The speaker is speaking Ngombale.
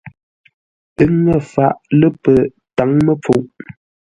Ə́ ŋə́ faʼ lə̂ pətǎŋ-məpfuʼ.